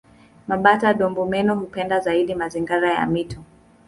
Mabata-domomeno hupenda zaidi mazingira ya mito.